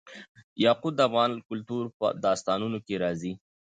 یاقوت د افغان کلتور په داستانونو کې راځي.